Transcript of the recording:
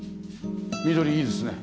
緑いいですね。